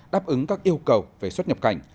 đáp ứng các yêu cầu về xuất nhập cảnh